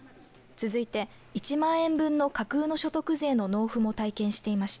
続いて１万円分の架空の所得税の納付も体験していました。